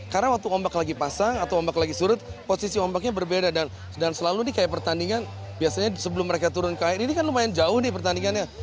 karena waktu ombak lagi pasang atau ombak lagi surut posisi ombaknya berbeda dan selalu ini kayak pertandingan biasanya sebelum mereka turun ke air ini kan lumayan jauh nih pertandingannya